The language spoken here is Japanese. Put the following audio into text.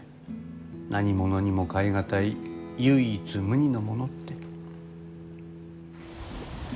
何物にも代え難い唯一無二のものって。